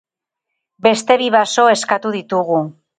Beste bi baso eskatu ditugu.